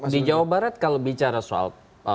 di jawa barat kalau bicara soal